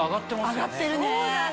上がってるね。